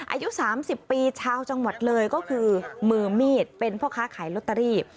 อายุ๓๐ปีชาวจังหวัดเลยก็คือมือมีดเป็นพ่อค้าขายลอตเตอรี่